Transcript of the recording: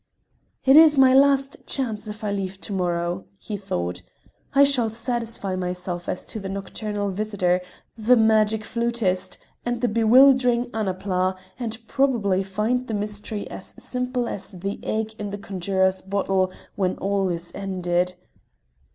"It is my last chance, if I leave to morrow," he thought. "I shall satisfy myself as to the nocturnal visitor, the magic flautist, and the bewildering Annapla and probably find the mystery as simple as the egg in the conjurer's bottle when all's ended!"